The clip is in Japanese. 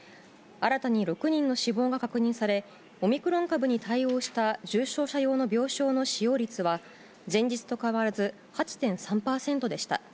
新たに６人の死亡が確認され、オミクロン株に対応した重症者用の病床の使用率は、前日と変わらず８．３％でした。